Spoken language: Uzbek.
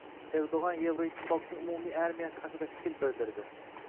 Erdo‘g‘an Yevroittifoqning umumiy armiyasi haqida fikr bildirding